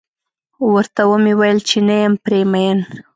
ورته و مې ويل چې نه یم پرې مين.